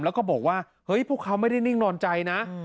แล้วก็บอกว่าเฮ้ยพวกเขาไม่ได้นิ่งนอนใจนะ